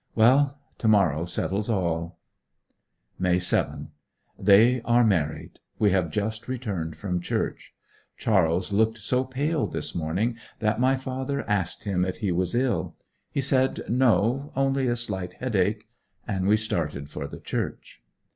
Well, to morrow settles all. May 7. They are married: we have just returned from church. Charles looked so pale this morning that my father asked him if he was ill. He said, 'No: only a slight headache;' and we started for the church.